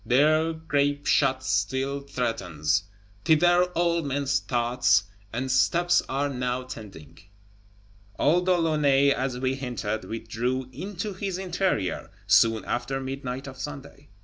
There grape shot still threatens; thither all men's thoughts and steps are now tending. Old De Launay, as we hinted, withdrew "into his interior" soon after midnight of Sunday.